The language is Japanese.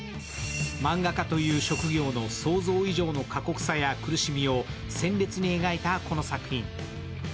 漫画家という職業の想像以上の過酷さや苦しみを鮮烈に描いたこの作品。